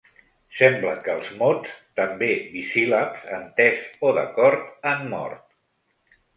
Sembla que els mots, també bisíl·labs, entès o d’acord han mort.